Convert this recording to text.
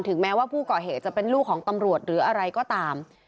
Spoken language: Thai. แม้ว่าผู้ก่อเหตุจะเป็นลูกของตำรวจหรืออะไรก็ตาม